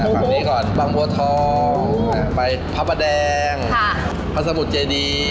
ฟังพัวทองไปพระพระแดงพระสมุทรเจดี